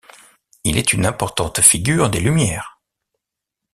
Il est une importante figure des Lumières.